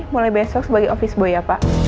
mulai besok sebagai office boy ya pak